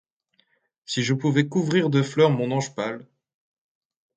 Si je pouvais couvrir de fleurs mon ange pâle!